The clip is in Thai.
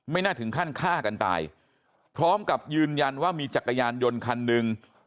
น่าถึงขั้นฆ่ากันตายพร้อมกับยืนยันว่ามีจักรยานยนต์คันหนึ่ง